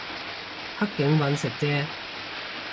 黑警搵食啫